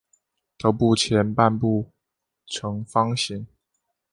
头部前半部呈方形。